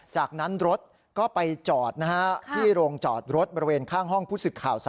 จากนั้นรถก็ไปจอดที่โรงจอดรถบริเวณข้างห้องผู้สึกข่าว๓